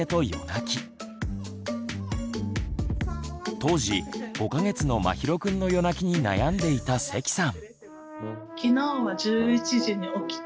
当時５か月のまひろくんの夜泣きに悩んでいた関さん。